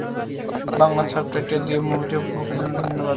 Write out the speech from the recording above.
Bangla subtitle দিয়ে মুভিটি উপভোগের জন্য ধন্যবাদ।